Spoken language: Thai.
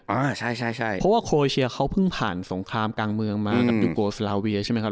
เพราะว่าโครเอเชียเขาเพิ่งผ่านสงครามกลางเมืองมากับยูโกสลาเวียใช่มั้ยครับ